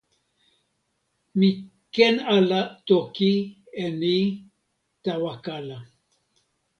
mi ken ala toki e ni tawa kala.